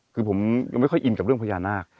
คือผมยังไม่ค่อยอินกับเรื่องพญานาค